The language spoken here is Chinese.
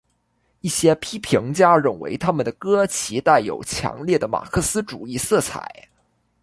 一些批评家认为他们的歌其带有强烈的马克思主义色彩。